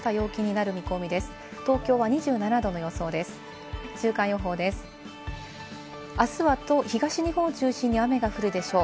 あすは東日本を中心に雨が降るでしょう。